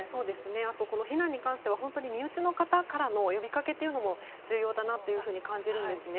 あと避難に関しては本当に身内の方からの呼びかけも重要だと感じるんです。